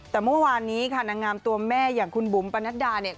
แต่เมื่อวานนี้ค่ะนางงามตัวแม่อย่างคุณบุ๋มปนัดดาเนี่ย